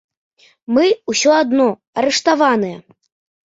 Мы ўсё адно арыштаваныя!